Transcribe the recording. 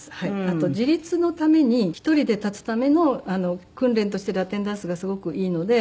あと自立のために１人で立つための訓練としてラテンダンスがすごくいいので。